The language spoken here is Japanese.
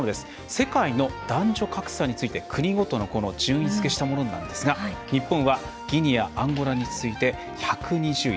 世界の男女格差について国ごとの順位付けしたものなんですが日本はギニアアンゴラに続いて１２０位。